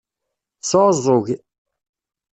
Tesɛuẓẓug.